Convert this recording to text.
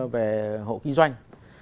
về hộ kinh doanh